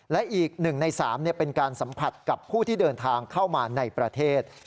และอีก๑ใน๓เป็นการสัมผัสกับผู้ที่เดินทางเข้ามาในประเทศ